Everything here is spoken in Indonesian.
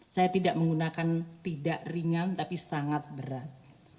saya tidak menggunakan tidak ringan tapi sangat berat